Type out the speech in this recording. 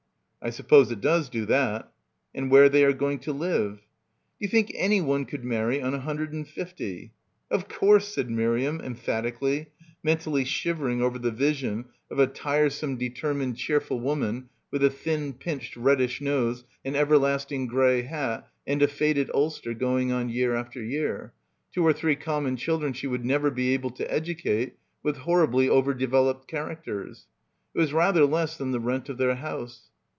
"I suppose it does do that." "And where they are going to live." "D'you think anyone could marry on a hun dred and fifty?" — 228 — BACKWATER "Of course," said Miriam emphatically, men tally shivering over the vision of a tiresome deter mined cheerful woman with a thin pinched reddish nose, an everlasting grey hat and a faded ulster going on year after year; two or three common children she would never be able to educate, with horribly over developed characters. It was rather less than the rent of their house.